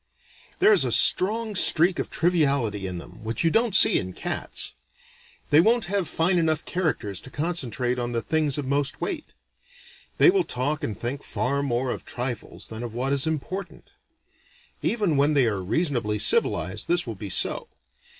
"There is a strong streak of triviality in them, which you don't see in cats. They won't have fine enough characters to concentrate on the things of most weight. They will talk and think far more of trifles than of what is important. Even when they are reasonably civilized, this will be so.